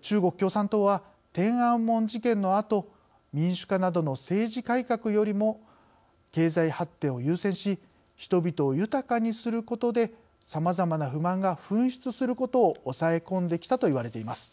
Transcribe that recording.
中国共産党は、天安門事件のあと民主化などの政治改革よりも経済発展を優先し人々を豊かにすることでさまざまな不満が噴出することを抑え込んできたと言われています。